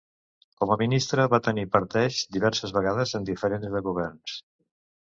Com a Ministre, va tenir parteix diverses vegades en diferents de governs.